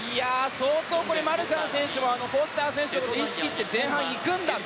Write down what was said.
相当、マルシャン選手はフォスター選手のことを意識して前半、行くんだと。